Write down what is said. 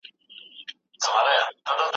هومر د نړۍ لپاره شاعر دی.